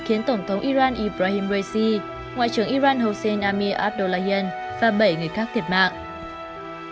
khiến tổng thống iran ibrahim raisi ngoại trưởng iran hossein amir abdullahian và bảy người khác thiệt mạng